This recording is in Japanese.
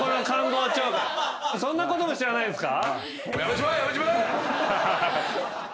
そんなことも知らないんですか？